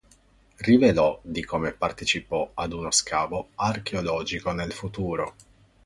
Rivelò di come partecipò ad uno scavo archeologico nel futuro.